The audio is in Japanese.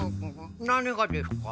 何がですか？